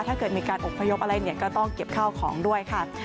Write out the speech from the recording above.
ถ้าเกิดมีการอบพยพอะไรเนี่ยก็ต้องเก็บข้าวของด้วยค่ะ